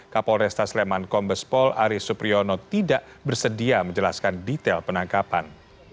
kapolresta sleman kombespol ari supriono tidak bersedia menjelaskan detail penangkapan